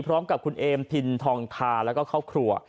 พร้อมกับคุณเอมทินทองทาและเข้าครัว